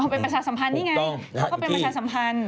เป็นประชาสัมพันธ์นี่ไงแล้วก็เป็นประชาสัมพันธ์